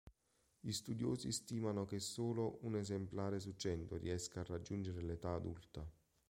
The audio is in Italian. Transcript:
Gli studiosi stimano che solo un esemplare su cento riesca a raggiungere l'età adulta.